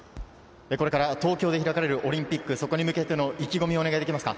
東京で開かれるオリンピックに向けての意気込みをお願いします。